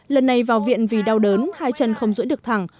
lần này vào viện vì đau đớn hai chân không rưỡi được thẳng